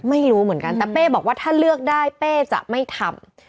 ไม่รู้เหมือนกันแต่เป้บอกว่าถ้าเลือกได้เป้จะไม่ทำ